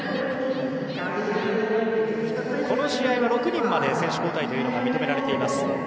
この試合は６人まで選手交代というのが認められています。